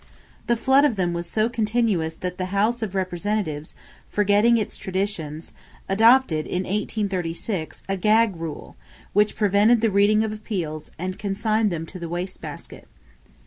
The flood of them was so continuous that the House of Representatives, forgetting its traditions, adopted in 1836 a "gag rule" which prevented the reading of appeals and consigned them to the waste basket.